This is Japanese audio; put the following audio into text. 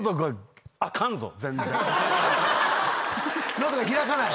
喉が開かない？